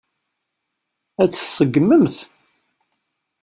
Ad tt-tseggmemt?